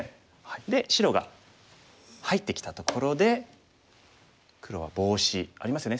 で白が入ってきたところで黒はボウシ。ありますよね。